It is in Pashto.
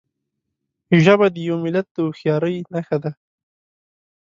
ژبه د یو ملت د هوښیارۍ نښه ده.